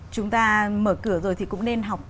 chúng ta mở cửa rồi thì cũng nên học